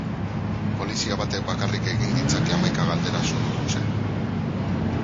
Polizia batek bakarrik egin ditzakeen hamaika galdera sudurluze.